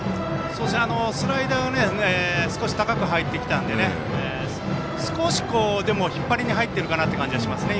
スライダーが少し高く入ってきたので少し、引っ張りに入ってる感じはしますね。